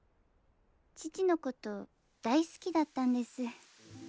父のこと大好きだったんです。